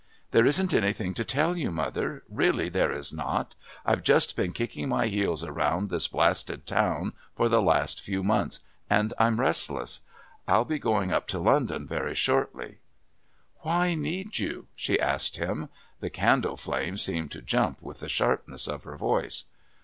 "There isn't anything to tell you, mother. Really there is not. I've just been kicking my heels round this blasted town for the last few months and I'm restless. I'll be going up to London very shortly." "Why need you?" she asked him. The candle flame seemed to jump with the sharpness of her voice.